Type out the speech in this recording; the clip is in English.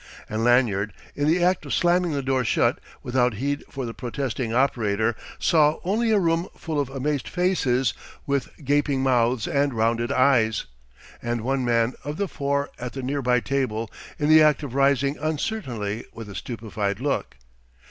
And Lanyard, in the act of slamming the door shut without heed for the protesting operator, saw only a room full of amazed faces with gaping mouths and rounded eyes and one man of the four at the near by table in the act of rising uncertainly, with a stupefied look.